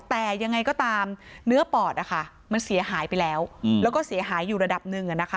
แต่ยังไงก็ตามเนื้อปอดมันเสียหายไปแล้วแล้วก็เสียหายอยู่ระดับหนึ่ง